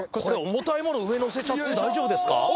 これ重たいもの上載せちゃって大丈夫ですか？